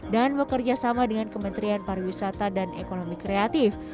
dan bekerja sama dengan kementerian pariwisata dan ekonomi kreatif